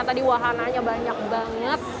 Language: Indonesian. tadi wahananya banyak banget